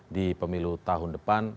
di pemilu tahun depan